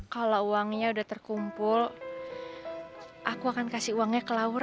kalau uangnya udah terkumpul aku akan kasih uangnya ke lower